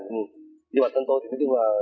nhưng mà tên tôi thì nói chung là